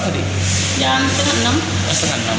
jam setengah enam